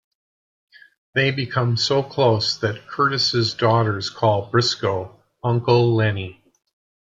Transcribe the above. They become so close that Curtis' daughters call Briscoe "Uncle Lenny".